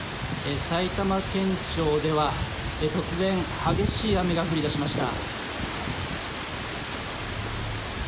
埼玉県庁では突然激しい雨が降り出しました。